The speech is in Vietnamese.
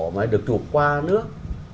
mà được trụt qua nước